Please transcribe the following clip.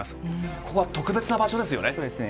ここは特別な場所ですよね。